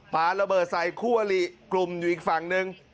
ปลาระเบิดใส่คู่อลิกลุ่มอยู่อีกฝั่งหนึ่ง